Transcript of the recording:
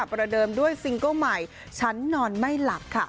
ประเดิมด้วยซิงเกิ้ลใหม่ฉันนอนไม่หลับค่ะ